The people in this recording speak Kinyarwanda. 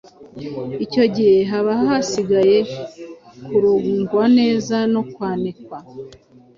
Icyo gihe haba hasigaye kurongwa neza no kwanikwa.